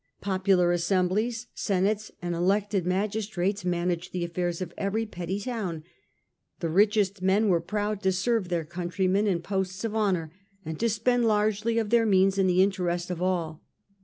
Popular assemblies, senates, and elected magistrates managed the affairs of every petty town ; the richest men were proud to serve their countrymen in posts of honour, and to spend largely of their means in the interest of all.